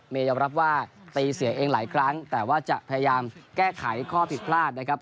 ยอมรับว่าตีเสียเองหลายครั้งแต่ว่าจะพยายามแก้ไขข้อผิดพลาดนะครับ